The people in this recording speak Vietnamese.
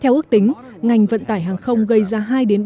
theo ước tính ngành vận tải hàng không gây ra hai ba mươi